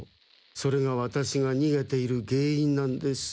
それがワタシがにげている原因なんです。